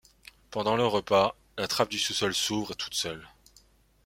Pendant le repas, la trappe du sous-sol s'ouvre toute seule.